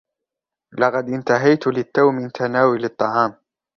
لقد إنتهيت للتو من تناول الطعام.